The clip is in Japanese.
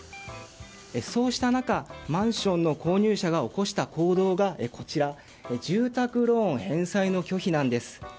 そうした中、マンションの購入者が起こした行動がこちら、住宅ローン返済の拒否なんです。